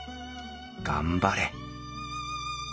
頑張れ！